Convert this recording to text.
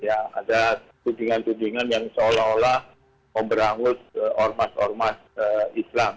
ada tudingan tudingan yang seolah olah memberangus ormas ormas islam